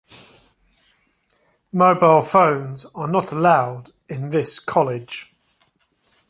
Mobile phones are not allowed in this college.